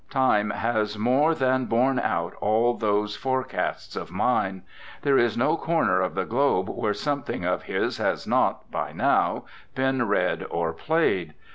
Time has more than borne out all those fore casts of mine. There is no corner of the globe where something of his has not, by now, been read or played.